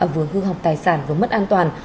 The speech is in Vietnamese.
vừa hư hỏng tài sản vừa mất an toàn